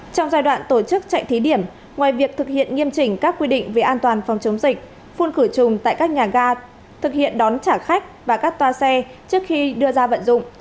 trong giai đoạn tổ chức chạy thí điểm ngoài việc thực hiện nghiêm chỉnh các quy định về an toàn phòng chống dịch phun khử trùng tại các nhà ga thực hiện đón trả khách và các toa xe trước khi đưa ra vận dụng